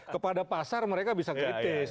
kepada pasar mereka bisa kritis